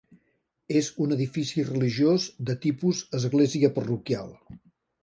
És un edifici religiós de tipus església parroquial.